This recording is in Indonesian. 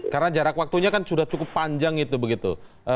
karena jarak waktunya kan sudah cukup panjang itu begitu